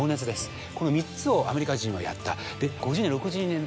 この３つをアメリカ人はやった。